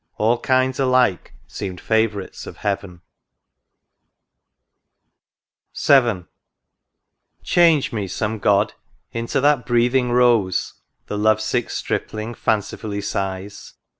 All kinds alike seemed favourites of Heaven. %^ THE RIVER DUDDON. 9 VII. " Change me, some God, into that breathing rose !" The love sick Stripling fancifully sighs.